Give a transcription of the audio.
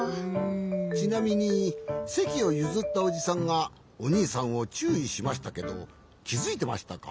ちなみにせきをゆずったおじさんがおにいさんをちゅういしましたけどきづいてましたか？